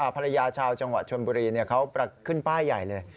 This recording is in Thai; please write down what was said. ชาวจังหวัดชนบุรีเขาขึ้นป้ายใหญ่เลย